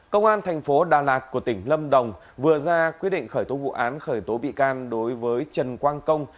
công an thành phố đà lạt của tỉnh lâm đồng vừa ra quyết định khởi tố vụ án khởi tố bị can đối với trần quang công